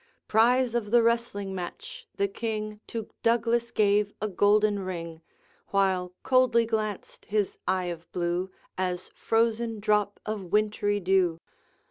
Prize of the wrestling match, the King To Douglas gave a golden ring, While coldly glanced his eye of blue, As frozen drop of wintry dew.